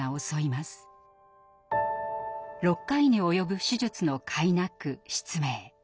６回に及ぶ手術のかいなく失明。